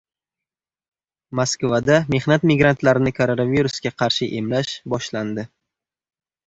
Moskvada mehnat migrantlarini koronavirusga qarshi emlash boshlandi